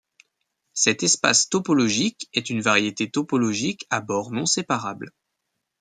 Cet espace topologique est une variété topologique à bord non séparable.